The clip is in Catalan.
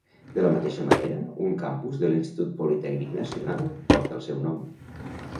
De la mateixa manera, un campus de l'Institut Politècnic Nacional, porta el seu nom.